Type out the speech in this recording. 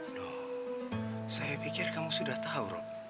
aduh saya pikir kamu sudah tahu rok